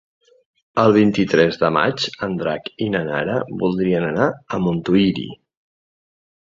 El vint-i-tres de maig en Drac i na Nara voldrien anar a Montuïri.